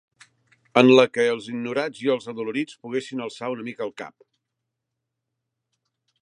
En la que els ignorats i els adolorits poguessin alçar una mica el cap